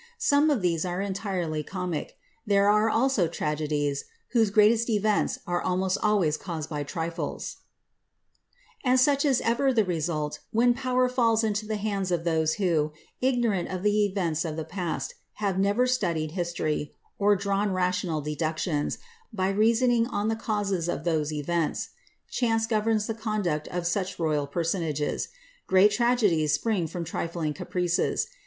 Some of these are entirely comic ; thoe are all tragedies, whose greatest events are almost always caused by triilaai And such is ever the result when power falls into the hands of tboi who, ignorant of the events of the past, have never studied history, < drawn rational deductions, by reasoning on the causes of those event Chance gorems the conduct of such royal personages. Great tragedk spring from trifling caprices.